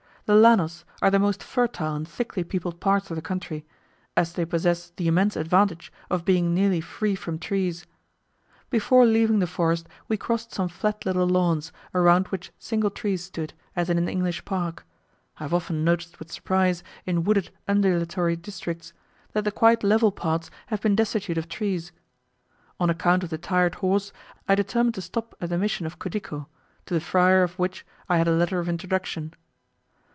The Llanos are the most fertile and thickly peopled parts of the country, as they possess the immense advantage of being nearly free from trees. Before leaving the forest we crossed some flat little lawns, around which single trees stood, as in an English park: I have often noticed with surprise, in wooded undulatory districts, that the quite level parts have been destitute of trees. On account of the tired horse, I determined to stop at the Mission of Cudico, to the friar of which I had a letter of introduction.